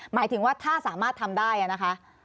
หมายถึงว่าถ้าสามารถทำได้นะคะ